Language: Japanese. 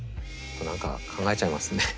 何か考えちゃいますね。